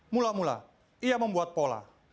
mula mula ia membuat pola